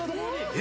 え？